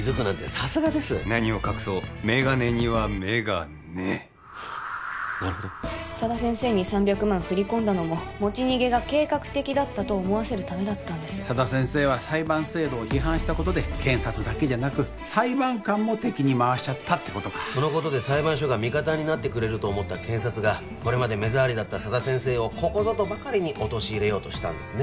さすがです何を隠そうメガネにはめがねえなるほど佐田先生に３００万振り込んだのも持ち逃げが計画的だったと思わせるためだったんです佐田先生は裁判制度を批判したことで検察だけじゃなく裁判官も敵に回しちゃったってことかそのことで裁判所が味方になってくれると思った検察がこれまで目障りだった佐田先生をここぞとばかりに陥れようとしたんですね